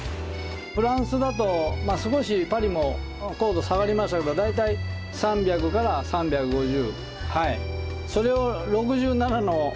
フランスだと少しパリも硬度下がりますけど大体３００３５０。